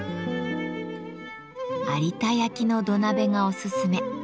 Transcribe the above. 有田焼の土鍋がおすすめ。